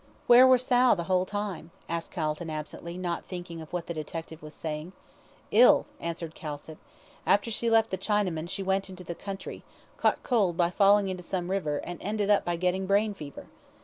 "Where was Sal the whole time?" asked Calton, absently, not thinking of what the detective was saying. "Ill," answered Kilsip. "After she left the Chinaman she went into the country, caught cold by falling into some river, and ended up by getting brain fever.